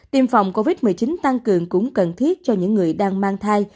tiêm phòng covid một mươi chín tăng cường cũng cần thiết cho những người đang mang thai